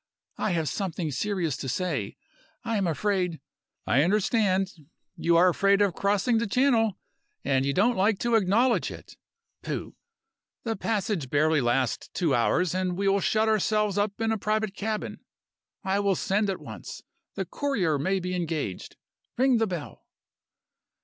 "I have something serious to say. I am afraid " "I understand. You are afraid of crossing the Channel, and you don't like to acknowledge it. Pooh! The passage barely lasts two hours; we will shut ourselves up in a private cabin. I will send at once the courier may be engaged. Ring the bell."